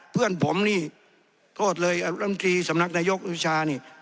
เพื่อนผมนี่โทษเลยอัตรุรัมทรีย์สำนักนายกรุชานี่